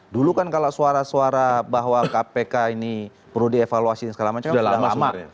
dulu kan kalau suara suara bahwa kpk ini perlu dievaluasi dan segala macam kan sudah lama